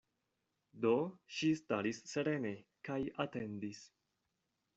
Do, ŝi staris serene, kaj atendis.